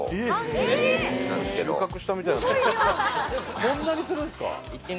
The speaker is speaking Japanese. すごい量こんなにするんすか？